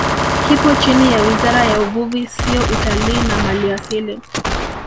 Kipo chini ya Wizara ya Uvuvi Sio Utalii na Maliasili